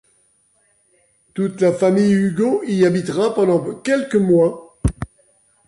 Toute la famille Hugo y habitera pendant quelques mois.